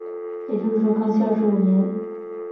也有说是康熙廿五年。